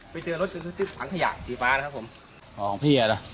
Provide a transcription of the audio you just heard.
ไปเจอรถทั้งขยะสีฟ้านะครับ